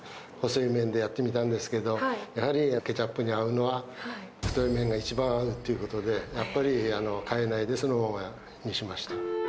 細い面でやってみたんですけど、やはりケチャップに合うのは、太い麺が一番合うということで、やっぱり、変えないでそのままにしました。